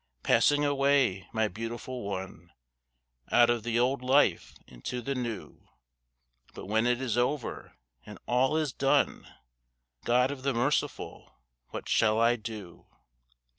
Passing away, my beautiful one, Out of the old life into the new. But when it is over, and all is done, God of the Merciful, what shall I do?